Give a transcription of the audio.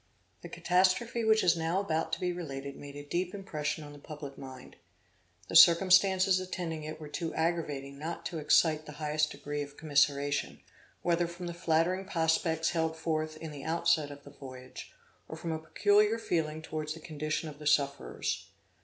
The catastrophe which is now about to be related made a deep impression on the public mind. The circumstances attending it were too aggravating not to excite the highest degree of commiseration, whether from the flattering prospects held forth in the outset of the voyage, or from a peculiar feeling towards the condition of the sufferers.